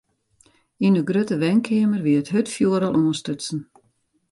Yn de grutte wenkeamer wie it hurdfjoer al oanstutsen.